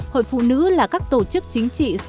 hội phụ nữ là các tổ chức chính trị